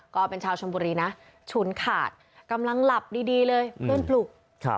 ก็เป็นชาวชนบุรีนะฉุนขาดกำลังหลับดีเลยเพื่อนปลุก